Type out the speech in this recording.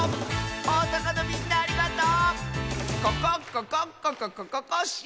おおさかのみんなありがとう！